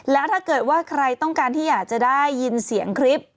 แล้วถ้าเกิดว่าใครต้องการที่อยากจะได้ยินเสียงคลิป